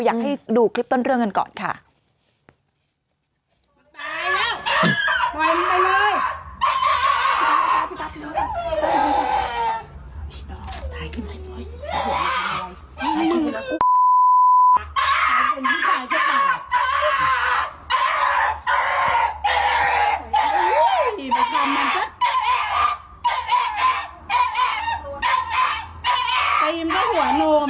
อยากให้ดูคลิปต้นเรื่องกันก่อนค่ะ